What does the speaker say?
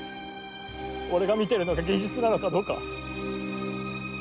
俺が見てるのが現実なのかどうか。